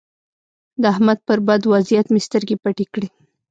د احمد پر بد وضيعت مې سترګې پټې کړې.